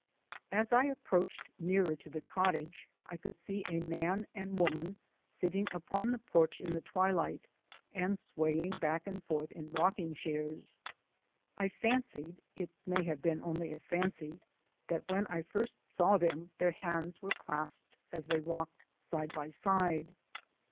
As I approached nearer to the cottage, I could see a man and woman sitting on the porch in the twilight and swaying back and forth in rocking chairs. I fancied it may have been only a fancy that when I first saw them their hands were clasped as they rocked side by side.